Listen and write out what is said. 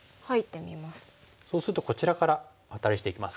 そうするとこちらからアタリしていきます。